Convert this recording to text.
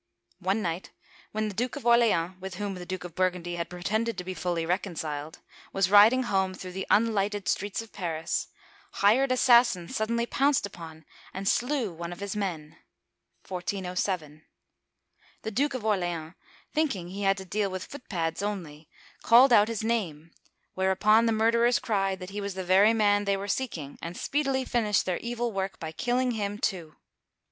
One night when the Duke of Orleans — with whom the Duke of Burgundy had pretended to be fully reconciled — was riding home through the unlighted streets of Paris, hired assassins suddenly pounced upon and slew one of his men (1407). The Duke of Orleans, thinking he had to deal with footpads only, called out his 1 See Story of the English^ p. 172. Digitized by VjOOQIC i8o OLD FRANCE name, whereupon the murderers cried that he was the very man they were seeking, and speedily finished their evil work by killing him, too.